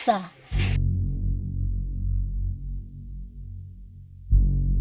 kota ambon maluku